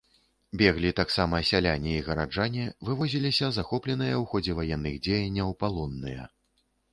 Беглі таксама сяляне і гараджане, вывозіліся захопленыя ў ходзе ваенных дзеянняў палонныя.